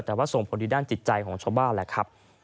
แต่ว่าส่งผลดีด้านจิตใจของชาวบ้านแหละครับ